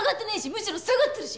むしろ下がってるし。